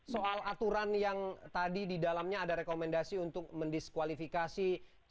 soal aturan yang tadi di dalamnya ada rekomendasi untuk mendiskualifikasi